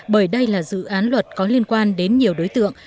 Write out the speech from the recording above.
bởi đây là dự án luật có liên quan đến nhiều đối tượng